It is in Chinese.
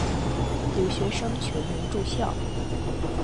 留学生全员住校。